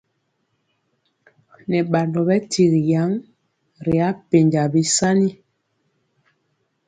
Nɛ badɔ bɛ tyigi yan ri apenja bisani.